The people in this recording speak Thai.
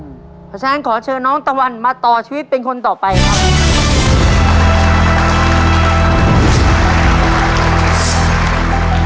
เพราะฉะนั้นขอเชิญน้องตะวันมาต่อชีวิตเป็นคนต่อไปครับ